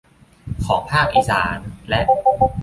ของภาคอิสานและ